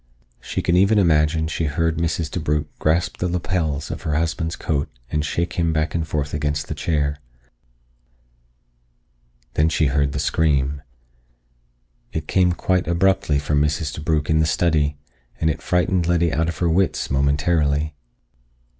She could even imagine she heard Mrs. DeBrugh grasp the lapels of her husband's coat and shake him back and forth against the chair. Then she heard the scream. It came quite abruptly from Mrs. DeBrugh in the study, and it frightened Letty out of her wits momentarily.